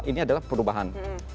ini adalah perubahan